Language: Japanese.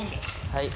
はい。